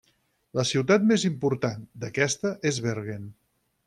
La ciutat més important d'aquesta és Bergen.